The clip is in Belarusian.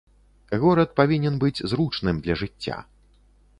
Горад павінен быць зручным для жыцця.